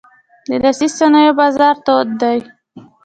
د لاسي صنایعو بازار تود دی.